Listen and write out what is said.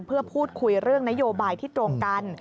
เพื่อพูดคุยเรื่องนโยบายที่ตรงกัน